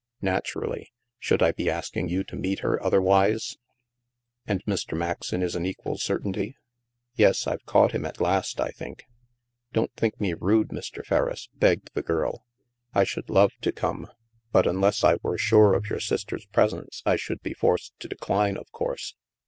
"" Naturally. Should I be asking you to meet her, otherwise?" *' And Mr. Maxon is an equal certainty? " THE MAELSTROM 185 " Yes, IVe caught him at last, I think." " Don't think me rude, Mr. Ferriss," begged the girl. " I should love to come, but unless I were sure of your sister's presence, I should be forced to decline, of course.